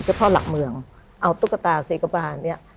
พ่อหลักเมืองเอาตุ๊กตาเสกบานเนี่ย